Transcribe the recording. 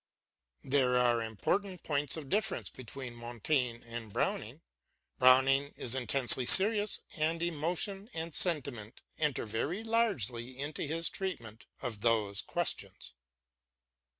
There are important points of difference between Montaigne and Browning. Browning is intensely serious, and emotion and sentiment enter very largely into his treatment of those questions.